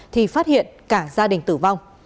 thì phát hiện cả gia đình tử vong